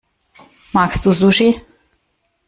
Magst du Sushi?